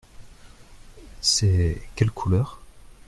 C’est quelle couleur ?